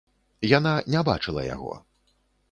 Яна не бачыла яго.